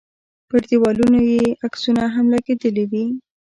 پر دیوالونو یې عکسونه هم لګېدلي وي.